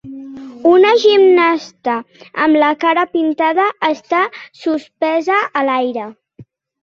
Una gimnasta amb la cara pintada està suspesa a l'aire.